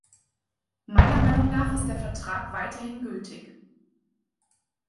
Meiner Meinung nach ist der Vertrag weiterhin gültig.